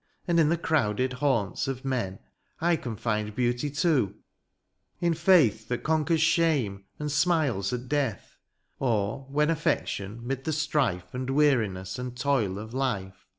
And in the crowded haunts of men THB AREOPAGITB. 9 I can find beauty too ; in fidth That oonquera shame and smiles at death ; Or when affection mid the strife And weariness and toil of life.